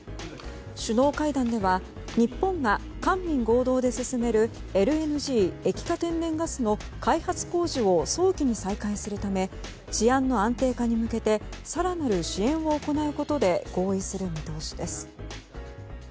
首脳会談では日本が官民合同で進めるＬＮＧ・液化天然ガスの開発工事を早期に再開するため治安の安定化に向けて更なる支援を行うことで合意する見通しです。